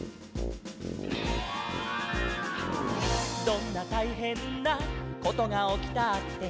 「どんなたいへんなことがおきたって」